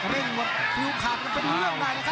เร่งหมดคิวขาดมันเป็นเรื่องหน่ายนะครับ